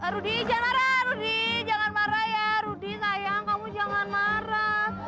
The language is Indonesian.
rudy jalanan rudy jangan marah ya rudy sayang kamu jangan marah